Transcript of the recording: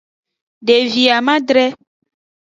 Devi amadre.